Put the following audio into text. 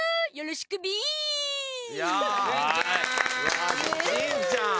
しんちゃん！